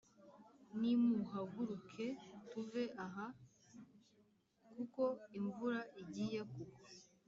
Nimuhaguruke tuve aha kuko imvura igiye kugwa